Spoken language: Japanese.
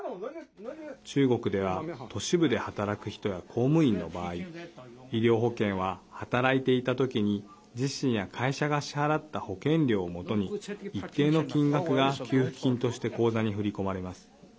中国では、都市部で働く人や公務員の場合医療保険は働いていた時に自身や会社が支払った保険料をもとに一定の金額が給付金として口座に振り込まれます。